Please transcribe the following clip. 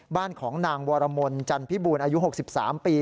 บ้านของนางวรมลจันพิบูรณ์อายุ๖๓ปี